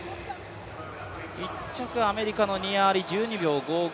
１着はアメリカのニア・アリ、１２秒５５。